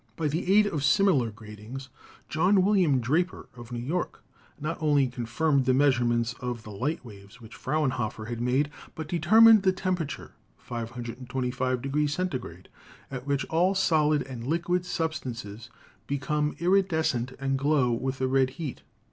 By the aid of similar gratings, John William Draper, of New York, not only confirmed the measurements of the light waves which Frauenhofer had made, but determined the temperature (525 C.) at which all solid and liquid substances become incandescent and glow with a red heat.